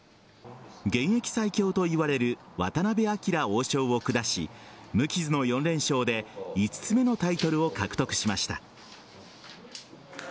現役最強といわれる渡辺明王将を下し無傷の４連勝で５つ目のタイトルを獲得しました。